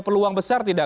peluang besar tidak